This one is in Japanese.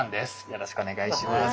よろしくお願いします。